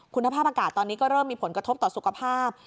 คุณภาพอากาศตอนนี้ก็เริ่มมีผลกระทบต่อสุขภาพ